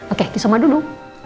oke kisah oma dulu